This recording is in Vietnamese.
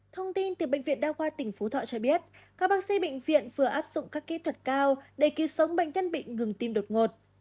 thông tin từ bệnh viện đa khoa tỉnh phú thọ cho biết các bác sĩ bệnh viện vừa áp dụng các kỹ thuật cao để cứu sống bệnh nhân bị ngừng tim đột ngột